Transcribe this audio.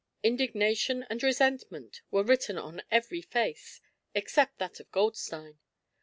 Indignation and resentment were written on every face except that of Goldstein.